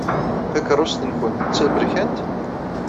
Takeṛṛust-nwent d taberkant?